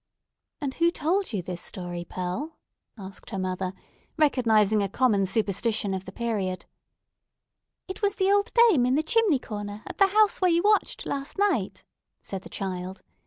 "And who told you this story, Pearl," asked her mother, recognising a common superstition of the period. "It was the old dame in the chimney corner, at the house where you watched last night," said the child.